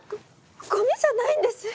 ゴゴミじゃないんです！